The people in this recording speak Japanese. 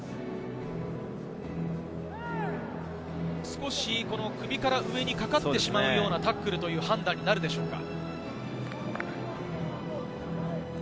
少し首から上にかかってしまうようなタックルという判断になるでしょうか？